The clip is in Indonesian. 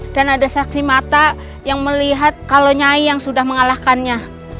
dan ada saksi mata yang melihat kalau nyai yang sudah mengalahkannya